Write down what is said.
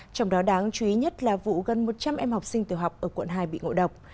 trong đó đáng chú ý nhất là vụ gần một trăm linh em học sinh tiểu học ở quận hai bị ngộ độc